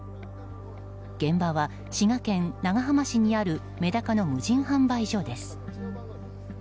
現場は滋賀県長浜市にあるメダカの無人販売所です。